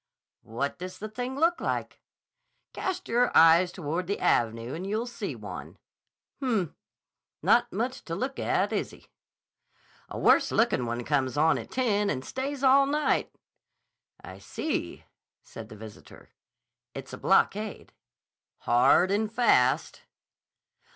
"What does the thing look like?" "Cast your eyes toward the Avenue and you'll see one." "Hm! Not much to look at, is he?" "A worse looking one comes on at ten and stays all night." "I see," said the visitor. "It's a blockade." "Hard and fast."